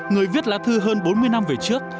người viết lá thư hơn bốn mươi năm trước